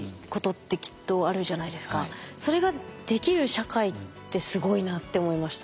それができる社会ってすごいなって思いました。